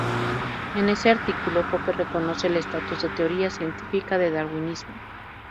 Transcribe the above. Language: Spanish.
En ese artículo, Popper reconoce el estatus de teoría científica del darwinismo.